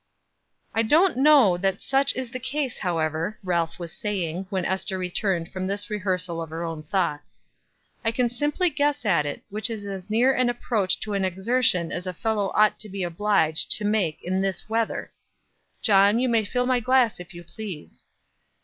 "I don't know that such is the case, however," Ralph was saying, when Ester returned from this rehearsal of her own thoughts. "I can simply guess at it, which is as near an approach to an exertion as a fellow ought to be obliged to make in this weather. John, you may fill my glass if you please.